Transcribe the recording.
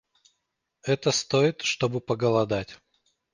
Это стоит, чтобы поголодать.